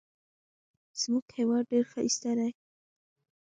زموږ هیواد ډېر ښایسته دی.